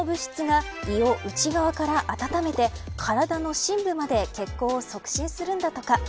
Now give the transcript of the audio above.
この物質が胃を内側から温めて体の深部まで血行を促進するんだとか。